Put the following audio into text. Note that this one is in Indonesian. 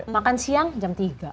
makan siang jam tiga